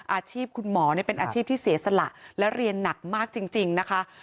อาชีพคุณหมอเป็นอาชีพที่เสียสละและเรียนหนักมากจริงนะคะ